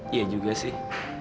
iya juga sih